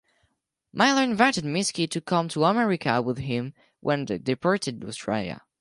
Miller invited Meeske to come to America with him when he departed Australia.